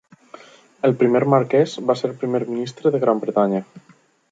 El primer Marquess va ser primer ministre de Gran Bretanya.